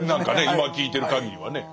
今聞いてる限りはね。